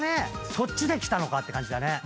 そっちできたのかって感じだね。